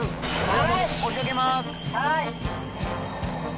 はい。